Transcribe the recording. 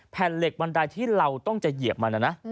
เหล็กบันไดที่เราต้องจะเหยียบมันนะ